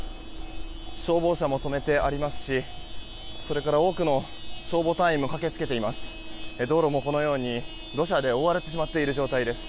消防車も止めてありますし多くの消防隊員も駆けつけています。